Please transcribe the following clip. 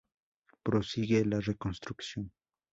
Prosigue la reconstrucción.